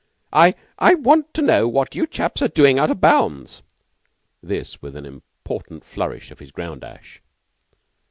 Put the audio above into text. "I I want to know what you chaps are doing out of bounds?" This with an important flourish of his ground ash.